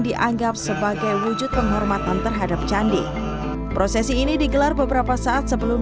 dianggap sebagai wujud penghormatan terhadap candi prosesi ini digelar beberapa saat sebelum